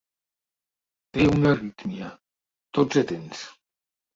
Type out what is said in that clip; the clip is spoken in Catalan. Té una arrítmia, tots atents!